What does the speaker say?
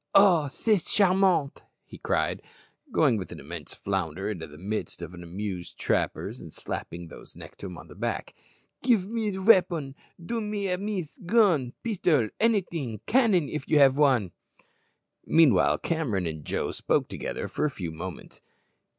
Ah! c'est charmant," he cried, going with an immense flounder into the midst of the amused trappers, and slapping those next to him on the back. "Give me veapon, do, mes amis gun, pistol, anyting cannon, if you have von." Meanwhile Cameron and Joe spoke together for a few moments.